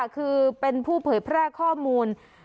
คือเป็นผู้เผยแพร่ข้อมูล